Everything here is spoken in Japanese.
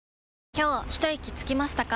今日ひといきつきましたか？